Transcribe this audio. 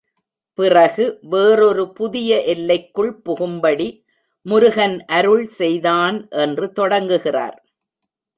பிறகு வேறொரு புதிய எல்லைக்குள் புகும்படி முருகன் அருள் செய்தான் என்று தொடங்குகிறார்.